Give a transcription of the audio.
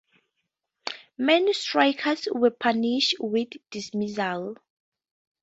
Many strikers were punished with dismissal.